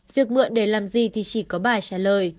việc mượn để làm gì thì chỉ có bài trả lời